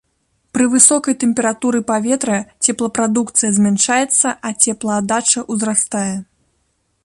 Пры высокай тэмпературы паветра цеплапрадукцыя змяншаецца, а цеплааддача ўзрастае.